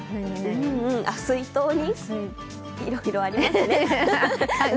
水筒にいろいろありますね。